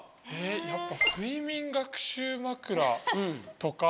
やっぱ睡眠学習枕とか。